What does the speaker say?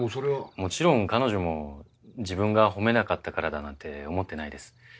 もちろん彼女も自分が褒めなかったからだなんて思ってないです。